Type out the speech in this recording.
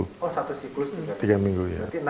oh satu siklus tiga minggu ya